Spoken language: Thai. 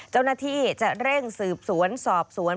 เจ้าหน้าที่จะเร่งสืบสวนสอบสวน